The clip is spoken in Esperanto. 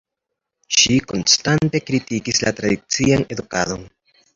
Ŝi konstante kritikis la tradician edukadon.